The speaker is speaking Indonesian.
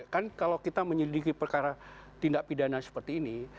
jadi kalau kita menyelidiki perkara tindak pidana seperti ini